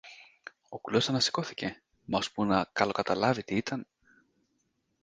Ο κουλός ανασηκώθηκε, μα ώσπου να καλοκαταλάβει τι ήταν